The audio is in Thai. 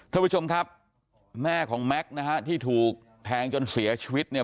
ท่านผู้ชมครับแม่ของแม็กซ์นะฮะที่ถูกแทงจนเสียชีวิตเนี่ย